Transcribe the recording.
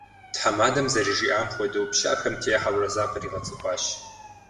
Тхьэмадэм зэрыжиӀам хуэдэу, пщыӀэхэм техьэурэ закъригъэцӀыхуащ.